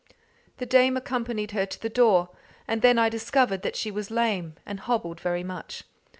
The dame accompanied her to the door, and then I discovered that she was lame, and hobbled very much.